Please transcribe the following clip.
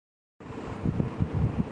ان حالات میں کوئی تبدیلی آنی ہے۔